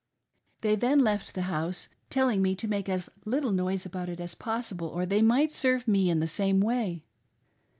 They then left the house telliog me to make as little noise about it as possible or they might serve me in the same way.